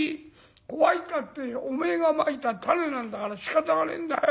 怖いったっておめえがまいた種なんだからしかたがねえんだよ。